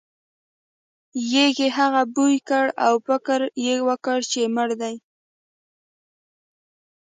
یږې هغه بوی کړ او فکر یې وکړ چې مړ دی.